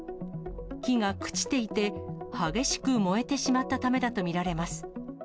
木が朽ちていて、激しく燃えてしまったためだと見られます。